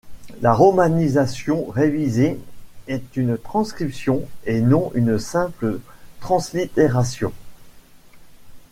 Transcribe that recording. La romanisation révisée est une transcription et non une simple translittération.